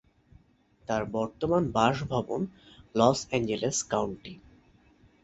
তার বর্তমান বাসভবন লস এঞ্জেলেস কাউন্টি।